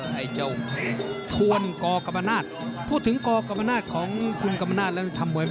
ไทยรัฐจัดให้เลย